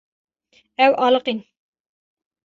Ew aliqîn.